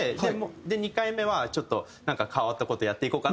２回目はちょっとなんか変わった事やっていこうかなと。